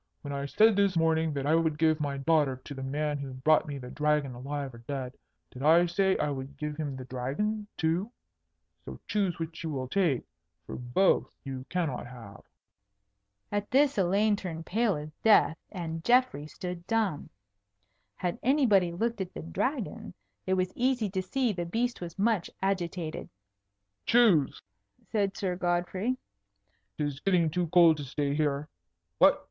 When I said this morning that I would give my daughter to the man who brought me the Dragon alive or dead, did I say I would give him the Dragon too? So choose which you will take, for both you cannot have." At this Elaine turned pale as death, and Geoffrey stood dumb. Had anybody looked at the Dragon, it was easy to see the beast was much agitated. "Choose!" said Sir Godfrey. "'Tis getting too cold to stay here. What?